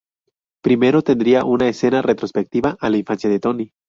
Primero tendría una escena retrospectiva a la infancia de Tony.